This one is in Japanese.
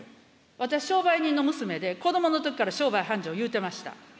私、商売人の娘で、子どものときから商売繁盛言うてました。